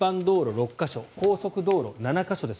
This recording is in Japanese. ６か所高速道路７か所です。